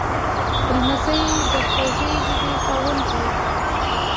لمسی د خوږې ژبې خاوند وي.